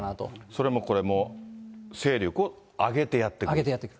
それもこれも勢力を上げてやって来る。